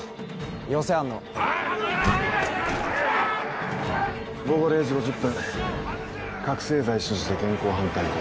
陽性反応」「午後０時５０分覚醒剤所持で現行犯逮捕」